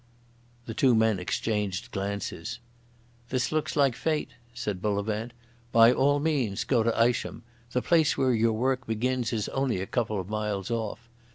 The two men exchanged glances. "This looks like fate," said Bullivant. "By all means go to Isham. The place where your work begins is only a couple of miles off.